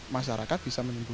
masyarakat bisa menunggu